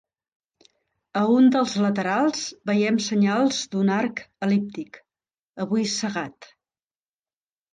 A un dels laterals veiem senyals d'un arc el·líptic, avui cegat.